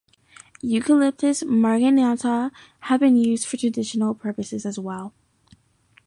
"Eucalyptus marginata" have been used for traditional purposes as well.